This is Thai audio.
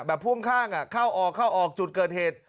แบบพ่วงข้างอ่ะเข้าออกจุดเกิดเหตุ